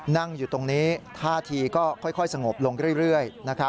นั่งอยู่ตรงนี้ท่าทีก็ค่อยสงบลงเรื่อย